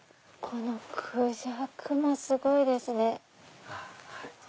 このクジャクもすごいですね。